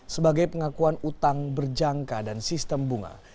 sebagai pengakuan utama